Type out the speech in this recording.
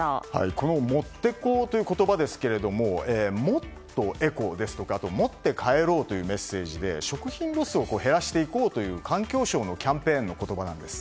このｍｏｔｔＥＣＯという言葉ですけれどももっとエコですとか持って帰ろうというメッセージで食品ロスを減らしていこうという環境省のキャンペーンの言葉なんです。